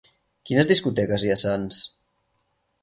Quines discoteques hi ha a Sants?